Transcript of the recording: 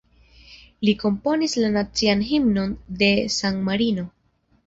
Li komponis la nacian himnon de San Marino.